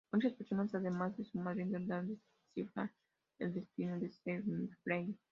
Muchas personas, además de su madre, intentaron descifrar el destino de Sean Flynn.